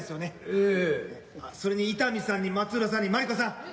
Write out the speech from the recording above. あっそれに伊丹さんに松浦さんにまりこさん